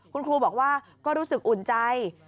คุณครูบอกว่าก็รู้สึกอุ่นใจ